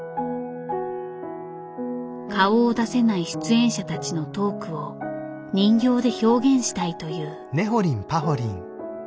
顔を出せない出演者たちのトークを人形で表現したいという。